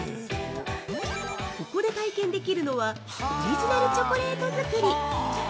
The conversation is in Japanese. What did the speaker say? ◆ここで体験できるのはオリジナルチョコレート作り。